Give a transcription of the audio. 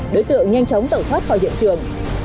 đối tượng nhanh chóng tẩu thoát khỏi hiện trường